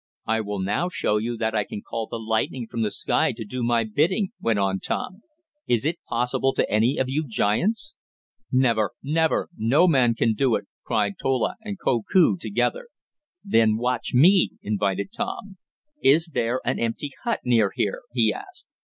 "I will now show you that I can call the lightning from the sky to do my bidding," went on Tom. "Is that possible to any of you giants?" "Never! Never! No man can do it!" cried Tola and Koku together. "Then watch me!" invited Tom. "Is there an empty hut near here?" he asked.